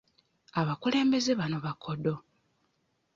Abakulembeze bano bakodo.